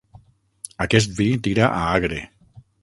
Aquest vi tira a agre.